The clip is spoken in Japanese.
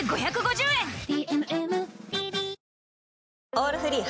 「オールフリー」